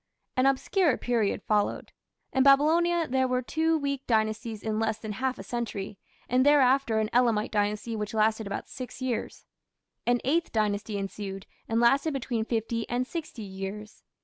An obscure period followed. In Babylonia there were two weak dynasties in less than half a century, and thereafter an Elamite Dynasty which lasted about six years. An Eighth Dynasty ensued, and lasted between fifty and sixty years.